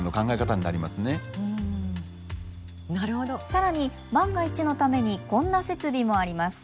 更に万が一のためにこんな設備もあります。